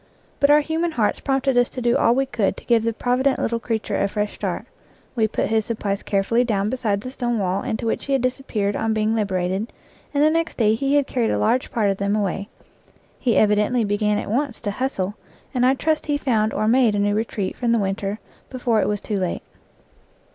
But our human hearts prompted us to do all we could to give the provident little creature a fresh start; we put his 82 IN FIELD AND WOOD supplies carefully down beside the stone wall into which he had disappeared on being liberated, and the next day he had carried a large part of them away. He evidently began at once to " hustle," and I trust he found or made a new retreat from the winter before it was too late.